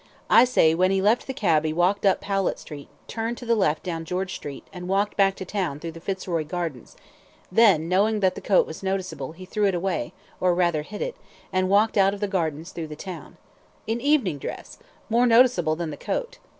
"I say when he left the cab he walked up Powlett Street, turned to the left down George Street, and walked back to town through the Fitzroy Gardens, then, knowing that the coat was noticeable, he threw it away, or rather, hid it, and walked out of the Gardens through the town " "In evening dress more noticeable than the coat."